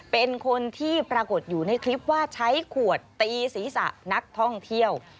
เป็นคนที่ปรากฏอยู่ในคลิปว่าใช้ขวดตีศีรษะนักท่องเที่ยว